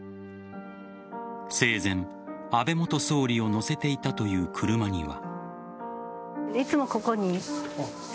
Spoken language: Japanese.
生前、安倍元総理を乗せていたという車には。